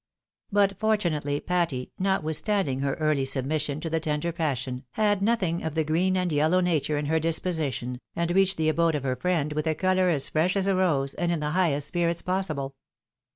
But fortunately Patty, notwithstanding her early submission to t'ne t<>nder pas sion, had nothing of the green and yellow nature in her disposi tion, and reached the abode of her friend with a colour as fresh as a rose, and in the highest spirits possible.